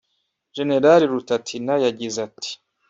Gen Rutatina yagize ati